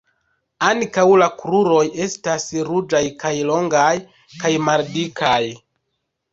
Ankaŭ la kruroj estas ruĝaj kaj longaj kaj maldikaj.